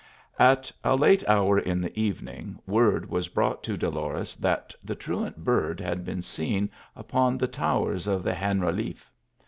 At a late hour in the evening, word was brought to Dolores that the truant bird had been seen upon the towers of the Generaliffe.